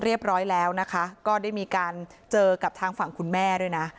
เรียบร้อยแล้วนะคะก็ได้มีการเจอกับทางฝั่งคุณแม่ด้วยนะ